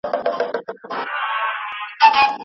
د زوجينو تر منځ مشترک حقوق